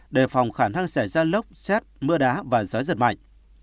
đề phòng khả năng xảy ra lốc xét mưa đá và gió giật mạnh